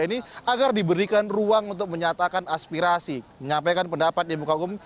ini agar diberikan ruang untuk menyatakan aspirasi menyampaikan pendapat di muka hukum